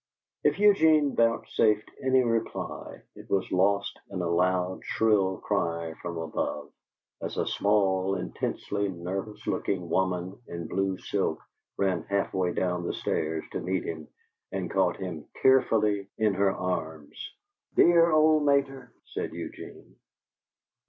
If Eugene vouchsafed any reply, it was lost in a loud, shrill cry from above, as a small, intensely nervous looking woman in blue silk ran half way down the stairs to meet him and caught him tearfully in her arms. "Dear old mater!" said Eugene.